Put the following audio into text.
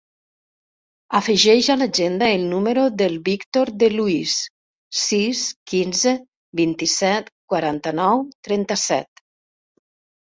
Afegeix a l'agenda el número del Víctor De Luis: sis, quinze, vint-i-set, quaranta-nou, trenta-set.